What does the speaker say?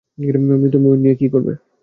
মৃত ময়ূর নিয়ে কী করবে?